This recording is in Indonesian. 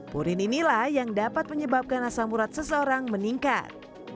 purin inilah yang dapat menyebabkan asam murah seseorang meningkat